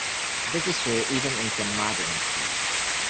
This is true even in some modern states.